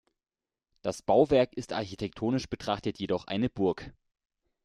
Das Bauwerk ist architektonisch betrachtet jedoch eine Burg.